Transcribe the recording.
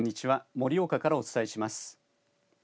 盛岡からお伝えします。